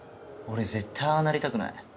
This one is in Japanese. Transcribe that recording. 俺絶対ああなりたくない。